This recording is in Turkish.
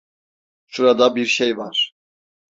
Şurada bir şey var.